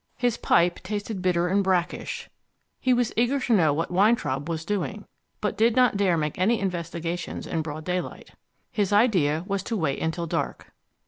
His pipe tasted bitter and brackish. He was eager to know what Weintraub was doing, but did not dare make any investigations in broad daylight. His idea was to wait until dark.